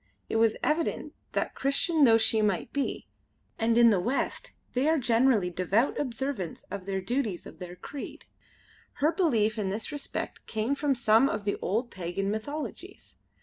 It was evident that, Christian though she might be and in the West they are generally devout observants of the duties of their creed her belief in this respect came from some of the old pagan mythologies.